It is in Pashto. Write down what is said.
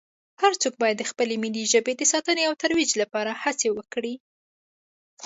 هر څو باید د خپلې ملي ژبې د ساتنې او ترویج لپاره هڅې وکړي